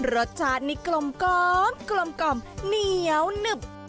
รสชาตินี่กลมกล่อมเงียวนึบ